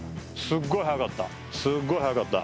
すっごい早かった。